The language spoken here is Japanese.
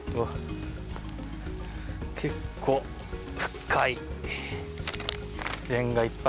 結構深い。